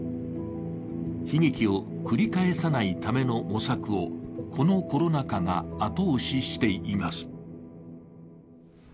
悲劇を繰り返さないための模索をこのコロナ禍が後押ししています。